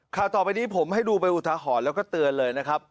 ข่าวต่อไปนี้ผมให้ดูเป็นอุทาหรณ์แล้วก็เตือนเลยนะครับ